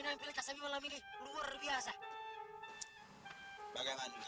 tapi mau jual sapi